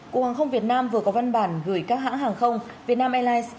cục hàng không việt nam vừa có văn bản gửi các hãng hàng không việt nam airlines